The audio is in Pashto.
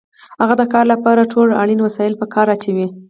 هغه د کار لپاره ټول اړین وسایل په کار اچوي